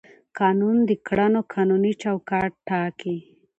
قانون د کړنو قانوني چوکاټ ټاکي.